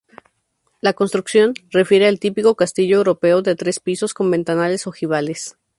La construcción refiere al típico castillo europeo de tres pisos con ventanales ojivales.